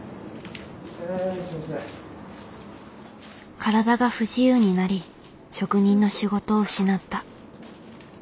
体が不自由になり職人の仕事を失った。